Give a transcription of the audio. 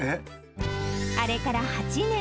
あれから８年。